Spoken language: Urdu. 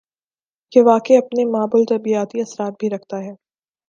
یہ واقعہ اپنے ما بعدالطبیعاتی اثرات بھی رکھتا ہے۔